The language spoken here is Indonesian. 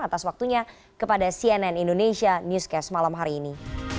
atas waktunya kepada cnn indonesia newscast malam hari ini